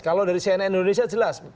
kalau dari cnn indonesia jelas